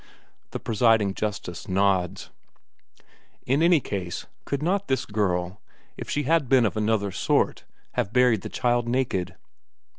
The presiding justice nods. In any case could not this girl if she had been of another sort have buried the child naked?